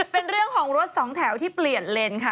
เป็นเรื่องของรถสองแถวที่เปลี่ยนเลนค่ะ